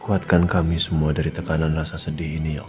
kuatkan kami semua dari tekanan rasa sedih ini